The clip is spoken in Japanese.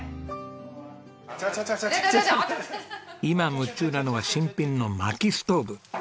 今夢中なのが新品の薪ストーブ。